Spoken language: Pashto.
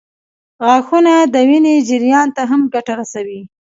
غاښونه د وینې جریان ته هم ګټه رسوي.